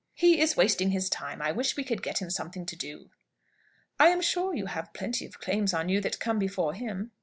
"He is wasting his time. I wish we could get him something to do." "I am sure you have plenty of claims on you that come before him."